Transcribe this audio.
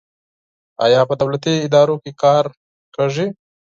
آیا په دولتي ادارو کې کار کیږي؟